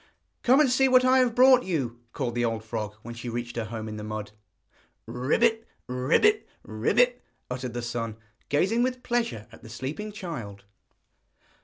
'Come and see what I have brought you,' called the old frog, when she reached her home in the mud. 'Croak! croak! croak!' uttered the son, gazing with pleasure at the sleeping child.